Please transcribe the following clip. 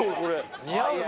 似合うな。